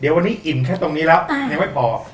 เดี๋ยววันนี้อิ่มแค่ตรงนี้แล้วยังไม่พอ